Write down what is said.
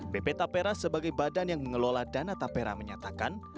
pp tapera sebagai badan yang mengelola dana tapera menyatakan